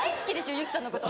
由貴さんのこと。